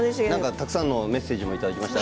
たくさんのメッセージもいただきました